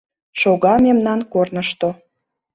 Шога мемнан корнышто.